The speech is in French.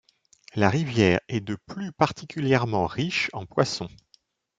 La rivière est de plus particulièrement riche en poissons.